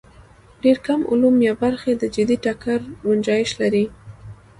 ډېر کم علوم یا برخې د جدي ټکر ګنجایش لري.